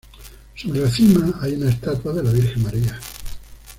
Sobre la cima hay una estatua de la Virgen María.